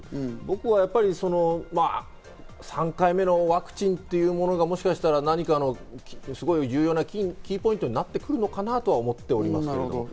僕は３回目のワクチンというものが、もしかしたら何かの重要なキーポイントになってくるのかなと思っておりますけれども。